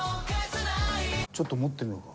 ちょっと持ってみようか。